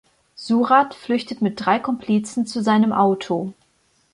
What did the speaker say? Surat flüchtet mit drei Komplizen zu seinem Auto.